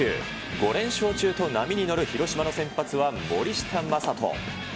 ５連勝中と波に乗る広島の先発は森下暢仁。